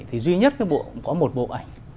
thì duy nhất có một bộ ảnh